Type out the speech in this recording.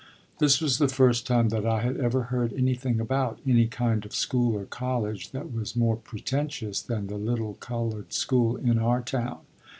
This was the first time that I had ever heard anything about any kind of school or college that was more pretentious than the little colored school in our town.